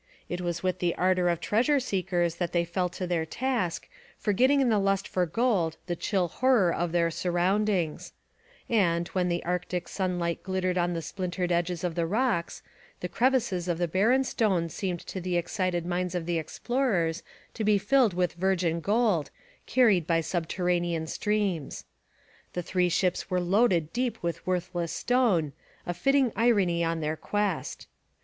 It was with the ardour of treasure seekers that they fell to their task, forgetting in the lust for gold the chill horror of their surroundings; and, when the Arctic sunlight glittered on the splintered edges of the rocks, the crevices of the barren stone seemed to the excited minds of the explorers to be filled with virgin gold, carried by subterranean streams. The three ships were loaded deep with worthless stone, a fitting irony on their quest.